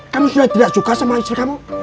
kan sudah tidak suka sama istri kamu